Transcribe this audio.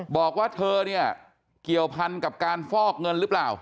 บอกว่าเธอเนี่ยเกี่ยวพันกับการฟอกเงินหรือเปล่า